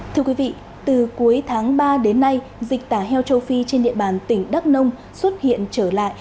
thưa quý vị từ cuối tháng ba đến nay dịch tả heo châu phi trên địa bàn tỉnh đắk nông xuất hiện trở lại